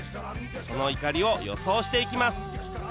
その怒りを予想していきます